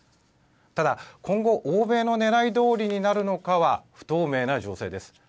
ただ今後欧米のねらいどおりになるのかは不透明な情勢です。